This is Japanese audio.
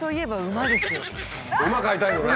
馬飼いたいのね。